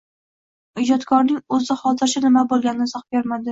Ijodkorning o‘zi hozircha nima bo‘lganiga izoh bermadi